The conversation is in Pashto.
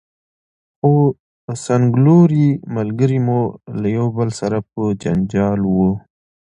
خو څنګلوري ملګري مو یو له بل سره په جنجال وو.